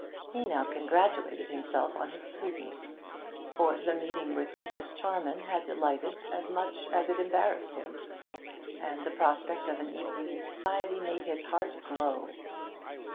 He now congratulated himself on his prudence, for the meeting with Mrs. Charman had delighted as much as it embarrassed him, and the prospect of an evening in society made his heart glow.